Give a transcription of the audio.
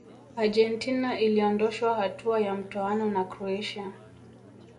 argentina iliondoshwa hatua ya mtoano na croatia